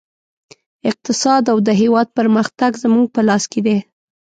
اقتصاد او د هېواد پرمختګ زموږ په لاس کې دی